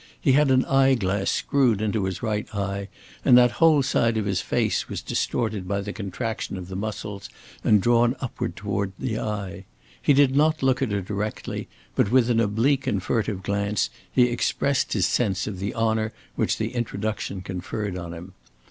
He had an eye glass screwed into his right eye, and that whole side of his face was distorted by the contraction of the muscles and drawn upward toward the eye. He did not look at her directly, but with an oblique and furtive glance he expressed his sense of the honor which the introduction conferred on him.